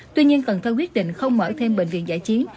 tuy nhiên cần thơ quyết định không mở thêm bệnh viện giải chiến